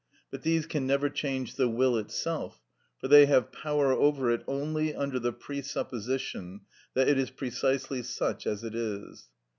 But these can never change the will itself; for they have power over it only under the presupposition that it is precisely such as it is.